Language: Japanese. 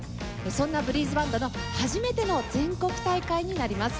そんなブリーズバンドの初めての全国大会になります。